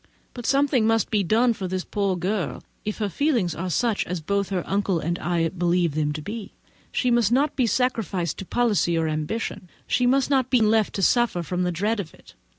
But something must be done for this poor girl, if her feelings are such as both I and her uncle believe them to be. She must not be sacrificed to policy or ambition, and she must not be left to suffer from the dread of it.